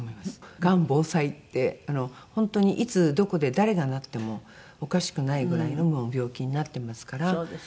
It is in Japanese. がん防災って本当にいつどこで誰がなってもおかしくないぐらいの病気になってますから。